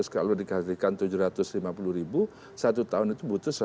satu tiga ratus kalau dikalikan tujuh ratus lima puluh satu tahun itu butuh sembilan ratus lima puluh miliar